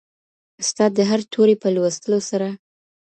ستا دهر توري په لوستلو سره